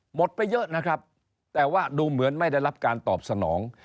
หมดไปเยอะนะครับแต่ว่าดูเหมือนไม่ได้รับการตอบสนอง